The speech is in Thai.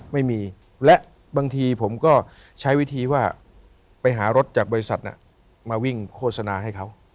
ไม่มีและบางทีผมก็ใช้วิธีว่าไปหารถจากบริษัทมาวิ่งโฆษณาให้เขา